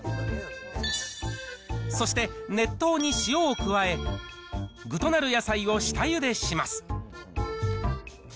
そして熱湯に塩を加え、具となる野菜を下ゆでします。